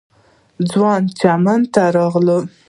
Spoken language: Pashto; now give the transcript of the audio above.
ځوان چمن ته ورغی.